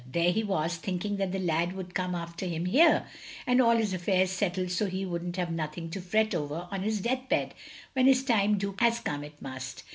There he was, thinking that the lad would come after him here; and all his affairs settled so he wouldn't have nothing to fret over on his death bed when his time do come as come it must.